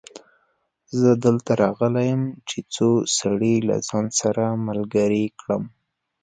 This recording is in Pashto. زه دلته راغلی يم چې څو سړي له ځانه سره ملګري کړم.